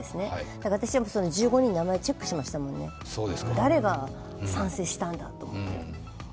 だから私は１５人の名前をチェックしましたもんね、誰が賛成したんだと。